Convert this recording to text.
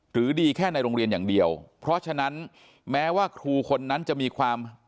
ดีแค่ในโรงเรียนอย่างเดียวเพราะฉะนั้นแม้ว่าครูคนนั้นจะมีความ